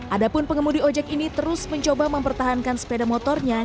adapun pengemudi ojek ini terus mencoba mempertahankan sepeda motornya